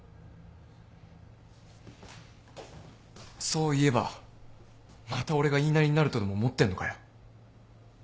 そう言えばまた俺が言いなりになるとでも思ってんのかよ？